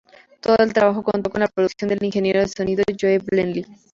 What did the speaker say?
Todo el trabajo contó con la producción del ingeniero de sonido Joe Blaney.